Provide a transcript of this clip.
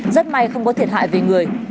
rất may không có thiệt hại về người